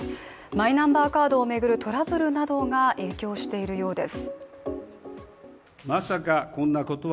マイナンバーカードを巡るトラブルなどが影響しているようです。